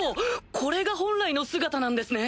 これが本来の姿なんですね！